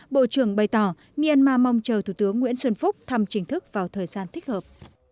bộ trưởng bày tỏ myanmar mong chờ thủ tướng nguyễn xuân phúc thăm chính thức vào thời gian thích hợp